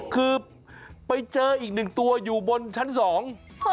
คือไปเจออีกหนึ่งตัวอยู่บนชั้นสอง